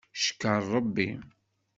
Ckeṛ Rebbi.